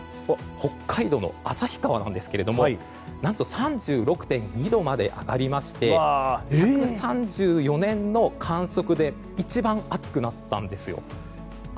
北海道の旭川なんですけれども何と３６．２度まで上がりまして１３４年の観測で一番暑くなったんですよ。